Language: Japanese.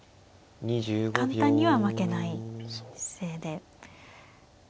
簡単には負けない姿勢で。